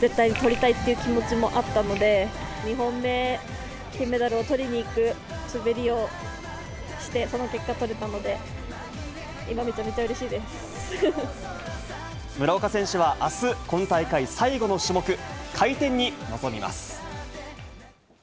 絶対にとりたいという気持ちもあったので、２本目、金メダルをとりにいく滑りをして、その結果とれたので、今、めちゃ村岡選手は、あす、今大会最後の種目、回転に臨みます。